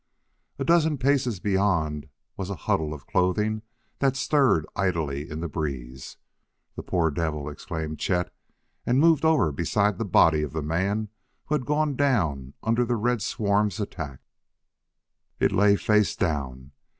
A dozen paces beyond was a huddle of clothing that stirred idly in the breeze. "The poor devil!" exclaimed Chet, and moved over beside the body of the man who had gone down under the red swarm's attack. It lay face down.